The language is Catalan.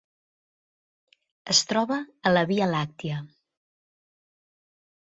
Es troba a la Via Làctia.